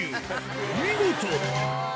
お見事。